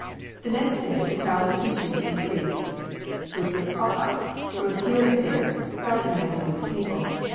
The next day the crowds in the streets increased. Groups of Cossacks rode here and there, fraternizing with the people.